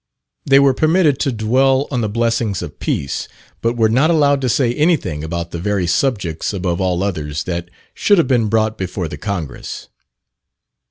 They were permitted to dwell on the blessings of peace, but were not allowed to say anything about the very subjects above all others that should have been brought before the Congress.